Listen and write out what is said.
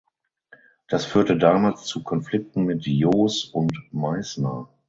Das führte damals zu Konflikten mit Joos und Meißner.